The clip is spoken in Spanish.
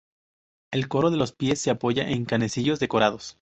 El coro de los pies se apoya en canecillos decorados.